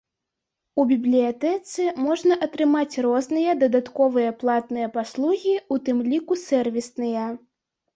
У бібліятэцы можна атрымаць розныя дадатковыя платныя паслугі, у тым ліку сэрвісныя.